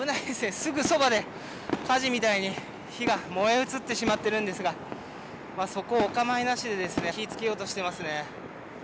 すぐそばで火事みたいに火が燃え移ってしまっているんですがそこはお構いなしに火を付けようとしていますね。